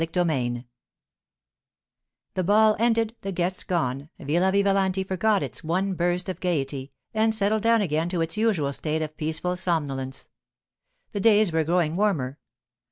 CHAPTER XX THE ball ended, the guests gone, Villa Vivalanti forgot its one burst of gaiety, and settled down again to its usual state of peaceful somnolence. The days were growing warmer.